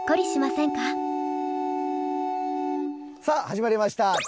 さあ始まりました。